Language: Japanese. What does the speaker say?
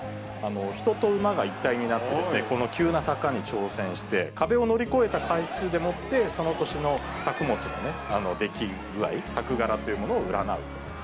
人と馬が一体になって、この急な坂に挑戦して、壁を乗り越えた回数でもって、その年の作物の出来具合、作柄というものを占う。